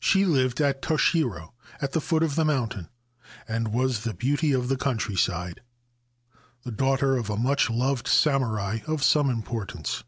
She lived at Tashiro, at the foot of the mountain, and was the beauty of the countryside, — the daughter of a much loved samurai of some importance.